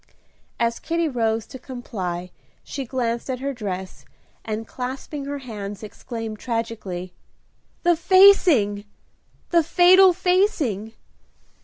As Kitty rose to comply she glanced at her dress, and, clasping her hands, exclaimed, tragically, "The facing, the fatal facing!